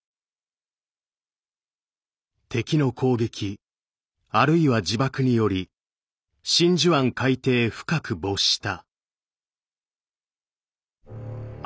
「敵の攻撃あるいは自爆により真珠湾海底深く没した」。